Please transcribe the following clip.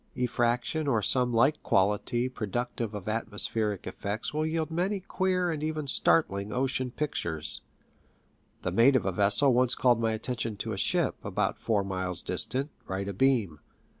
Eefrac tion or some like quality productive of atmospheric effects will yield many queer and even startling ocean pictures. The mate of a vessel once called my attention to a ship, about four miles distant, right abeam.